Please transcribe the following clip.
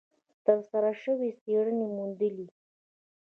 ترسره شوې څېړنې وموندلې،